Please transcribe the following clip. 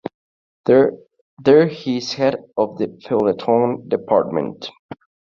There he is head of the feuilleton department.